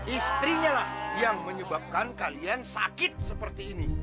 istrinya lah yang menyebabkan kalian sakit seperti ini